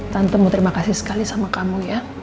tante mau terima kasih sekali sama kamu ya